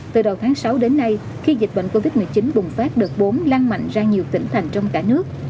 từ đầu tháng sáu đến nay khi dịch bệnh covid một mươi chín bùng phát đợt bốn lan mạnh ra nhiều tỉnh thành trong cả nước